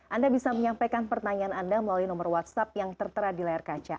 anda bisa menyampaikan pertanyaan anda melalui nomor whatsapp yang tertera di layar kaca